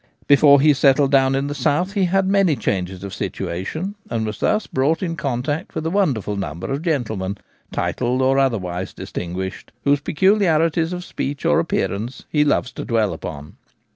Before he settled down in the south he had many changes of situation, and was thus brought in contact with a wonderful number of gentlemen, titled or otherwise distinguished, whose peculiarities of C 1 8 The Gamekeeper at Home. speech or appearance he loves to dwell upon.